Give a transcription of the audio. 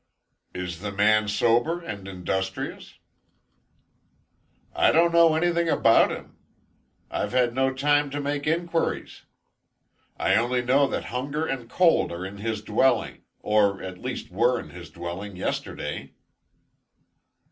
"Is the man sober and industrious?" "I don't know anything about him. I've had no time to make inquiries. I only know that hunger and cold are in his dwelling, or, at least were in his dwelling yesterday."